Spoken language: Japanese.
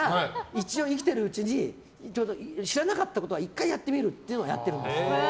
一応、生きてるうちに知らなかったことは１回やってみるということをやってるんです。